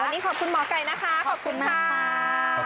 วันนี้ขอบคุณหมอไก่นะคะขอบคุณค่ะ